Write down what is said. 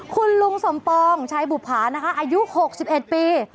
คุณลุงสมปองชัยบุภานะคะอายุ๖๑ปี